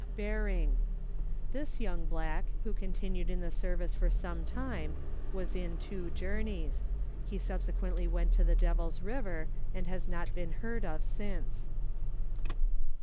Berring. This young black, who continued in the service for some time, was in two journeys ; he subsequently went to the Devil's River, and has not been heard of since.